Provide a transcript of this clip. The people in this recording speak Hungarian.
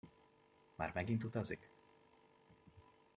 Már megint utazik?